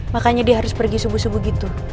makanya dia harus pergi subuh subuh gitu